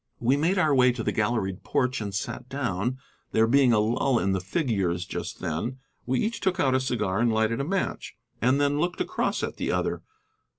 We made our way to the galleried porch and sat down, there being a lull in the figures just then. We each took out a cigar and lighted a match; and then looked across at the other.